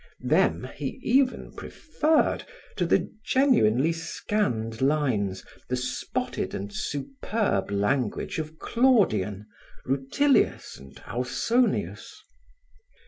Them he even preferred to the genuinely scanned lines, the spotted and superb language of Claudian, Rutilius and Ausonius.